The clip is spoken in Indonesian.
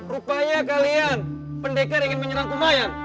rupanya kalian pendekar ingin menyerang kumayan